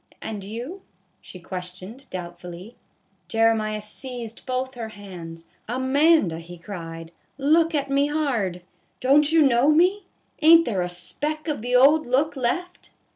And you ?" she questioned, doubtfully. Jeremiah seized both her hands. " Amanda," he cried, "look at me hard. Don't you know me? Ain't there a speck of the old look left